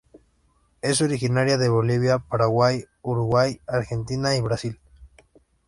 Es originaria de Bolivia, Paraguay, Uruguay, Argentina, y Brasil.